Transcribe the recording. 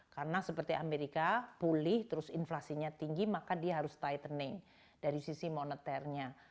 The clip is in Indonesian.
karena seperti amerika pulih terus inflasinya tinggi maka dia harus tightening dari sisi moneternya